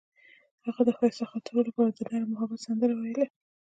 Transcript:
هغې د ښایسته خاطرو لپاره د نرم محبت سندره ویله.